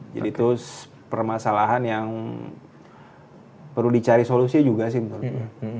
jadi itu permasalahan yang perlu dicari solusinya juga sih menurut gue